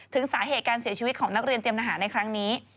ถึงสาเหตุการเสียชีวิตของนักเรียนเตรียมทหารในครั้งนี้